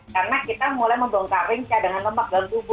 karena kita mulai membongkaring cadangan lemak dalam tubuh